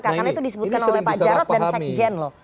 karena itu disebutkan oleh pak jarud dan sekjen loh